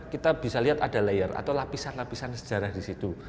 kita bisa lihat ada layer atau lapisan lapisan sejarah di situ